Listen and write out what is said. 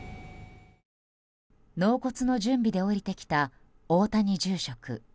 納骨の準備で下りてきた大谷住職。